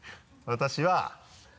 私は。